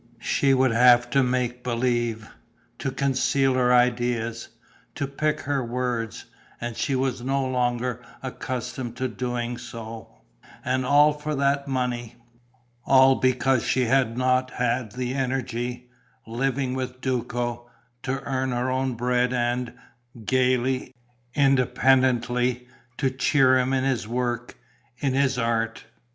She would have to make believe, to conceal her ideas, to pick her words; and she was no longer accustomed to doing so. And all for that money. All because she had not had the energy, living with Duco, to earn her own bread and, gaily, independently, to cheer him in his work, in his art.